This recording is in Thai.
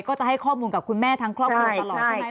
ก็จะให้ข้อมูลกับคุณแม่ทั้งครอบครัวตลอดใช่ไหม